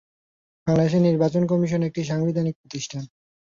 বাংলাদেশ নির্বাচন কমিশন একটি সাংবিধানিক প্রতিষ্ঠান।